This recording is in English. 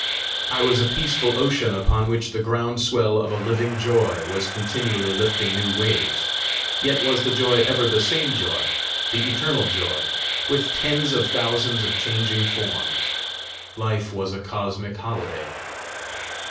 I was a peaceful ocean upon which the ground swell of a living joy was continually lifting new waves; yet was the joy ever the same joy, the eternal joy, with tens of thousands of changing forms. Life was a cosmic holiday.